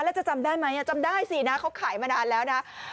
แล้วจะจำได้ไหมจำได้สินะเขาขายมานานแล้วนะ